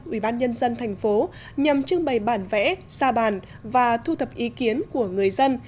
ủy ban nhân dân thành phố nhằm trưng bày bản vẽ xa bàn và thu thập ý kiến của người dân